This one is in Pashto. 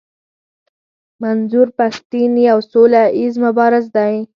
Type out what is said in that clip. منظور پښتين يو سوله ايز مبارز دی.